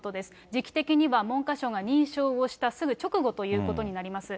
時期的には文科省が認証をしたすぐ直後ということになります。